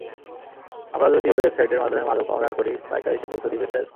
আমরা যদি ওই ওয়েবসাইটের মাধ্যমে মাদক অডার করি, বাইকার এসে পৌঁছে দিবে, স্যার?